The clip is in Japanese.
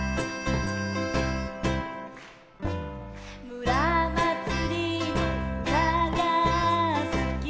「むらまつりのうたがすき」